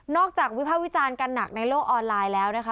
จากวิภาควิจารณ์กันหนักในโลกออนไลน์แล้วนะคะ